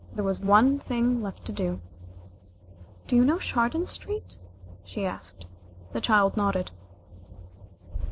There was one thing left to do. "Do you know Chardon Street?" she asked. The child nodded.